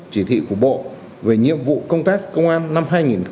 chỉ thị của bộ về nhiệm vụ công tác công an năm hai nghìn hai mươi